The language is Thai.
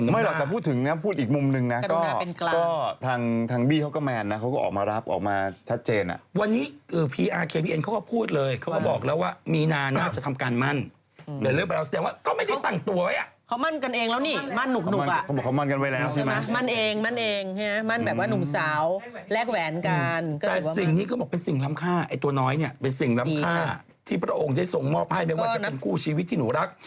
๖มีนะว่าก็ว่าจะวิหว่าก็มั่นเช้าแต่งเย็นนั่นแหละต้องรอดูกันต่อไป